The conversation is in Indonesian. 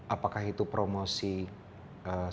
apakah itu promosi secara ekonomi